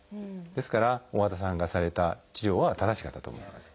ですから大和田さんがされた治療は正しかったと思います。